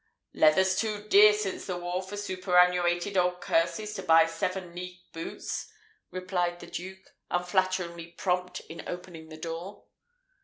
"Leather's too dear since the war for superannuated old curses to buy seven league boots," replied the Duke, unflatteringly prompt in opening the door.